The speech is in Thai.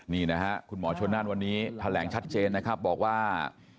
นี่นะฮะคุณหมอชนนั่นวันนี้แถลงชัดเจนนะครับบอกว่า